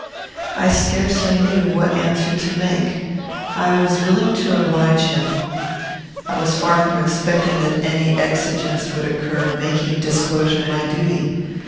I scarcely knew what answer to make. I was willing to oblige him. I was far from expecting that any exigence would occur, making disclosure my duty.